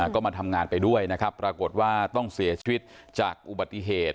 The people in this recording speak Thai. ก็มาทำงานไปด้วยนะครับปรากฏว่าต้องเสียชีวิตจากอุบัติเหตุ